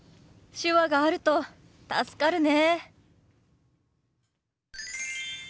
手話があると助かるね。